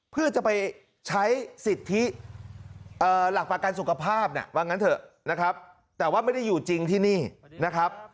เพื่อจะไปใช้สิทธิหลักประกันสุขภาพว่างั้นเถอะนะครับแต่ว่าไม่ได้อยู่จริงที่นี่นะครับ